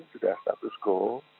sudah status go